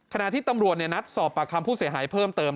ขณะที่ตำรวจนัดสอบปากคำผู้เสียหายเพิ่มเติม